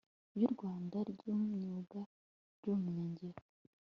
ry u Rwanda ry Imyuga n Ubumenyingiro